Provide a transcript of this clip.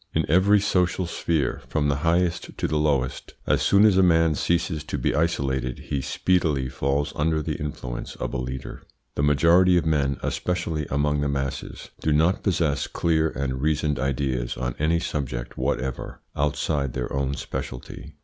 In every social sphere, from the highest to the lowest, as soon as a man ceases to be isolated he speedily falls under the influence of a leader. The majority of men, especially among the masses, do not possess clear and reasoned ideas on any subject whatever outside their own speciality.